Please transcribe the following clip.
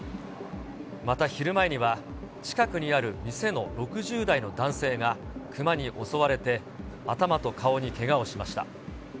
また昼前には、近くにある店の６０代の男性がクマに襲われて、頭と顔にけがをしました。